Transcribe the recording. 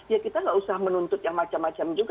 ya kita nggak usah menuntut yang macam macam juga